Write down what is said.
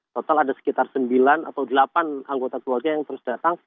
total ada sekitar sembilan atau delapan anggota keluarga yang terus datang